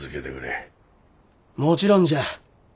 もちろんじゃ。